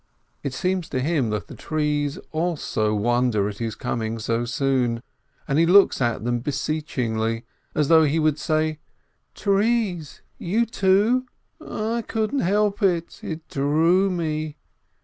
It seems to him that the trees also wonder at his coming so soon, and he looks at them beseechingly, as though he would say : "Trees — you, too! I couldn't help it ... it drew me